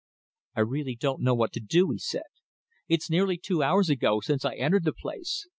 "I really don't know what to do," he said. "It's nearly two hours ago since I entered the place.